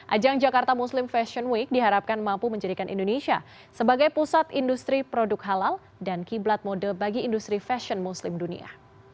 ajang jakarta muslim fashion week diharapkan mampu menjadikan indonesia sebagai pusat industri produk halal dan kiblat model bagi industri fashion muslim dunia